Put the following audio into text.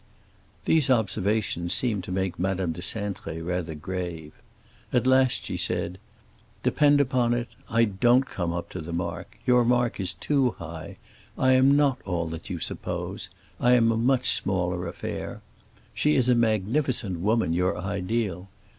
These observations seemed to make Madame de Cintré rather grave. At last she said, "Depend upon it, I don't come up to the mark; your mark is too high. I am not all that you suppose; I am a much smaller affair. She is a magnificent woman, your ideal.